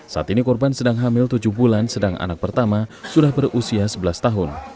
saat ini korban sedang hamil tujuh bulan sedang anak pertama sudah berusia sebelas tahun